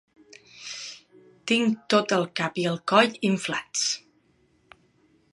Tinc tot el cap i el coll inflats.